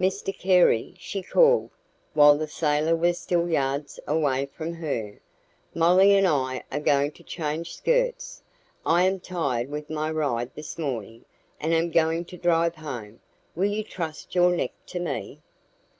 "Mr Carey," she called, while the sailor was still yards away from her, "Molly and I are going to change skirts. I am tired with my ride this morning, and am going to drive home. Will you trust your neck to me?"